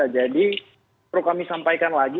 jadi perlu kami sampaikan lagi